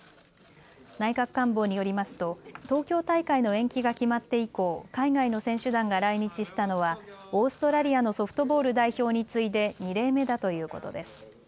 内閣官房によりますと東京大会の延期が決まって以降、海外の選手団が来日したのはオーストラリアのソフトボール代表に次いで２例目だということです。